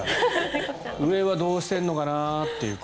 上はどうしてんのかなっていう。